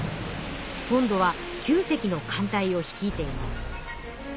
今度は９隻の艦隊を率いています。